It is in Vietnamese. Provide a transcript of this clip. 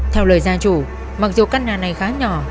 theo lời gia chủ mặc dù căn nhà này khá nhỏ